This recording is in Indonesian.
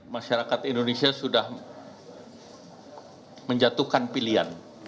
masyarakat indonesia sudah menjatuhkan pilihan